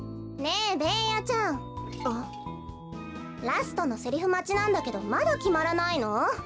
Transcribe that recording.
ラストのセリフまちなんだけどまだきまらないの？